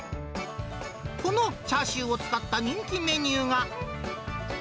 このチャーシューを使った人気メニューが。